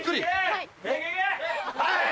はい！